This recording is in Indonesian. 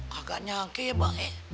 kagak nyangkeh ya mak eh